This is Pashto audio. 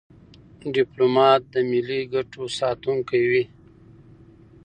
ډيپلومات د ملي ګټو ساتونکی وي.